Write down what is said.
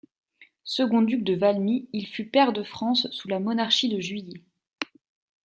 Second duc de Valmy, il fut pair de France sous la Monarchie de Juillet.